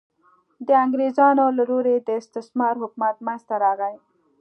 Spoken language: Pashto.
د انګرېزانو له لوري د استعمار حکومت منځته راغی.